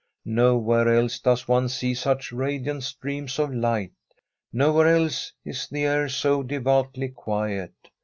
Nowhere else does one see such radiant streams of light, nowhere else is the air so devoutly quiet.